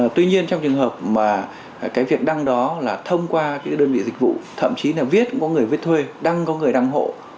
tuy nhiên trong trường hợp mà cái việc đăng đó là thông qua cái đơn vị dịch vụ thậm chí là viết cũng có người viết thuê đăng có người đăng hộ